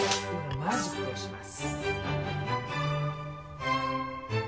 マジックをします。